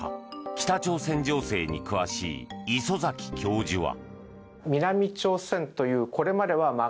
北朝鮮情勢に詳しい礒崎教授は。